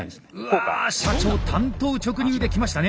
うわ社長単刀直入で来ましたね。